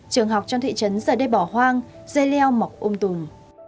trường học trong thị trấn giờ đây bỏ hoang dây leo mọc ôm tùm